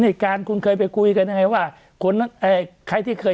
เอกาารคุณเคยไปกุยกันยังไงว่าคุณเอ่อใครที่เคย